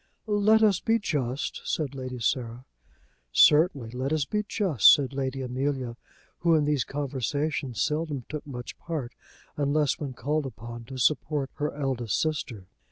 "Let us be just," said Lady Sarah. "Certainly, let us be just," said Lady Amelia, who in these conversations seldom took much part, unless when called upon to support her eldest sister.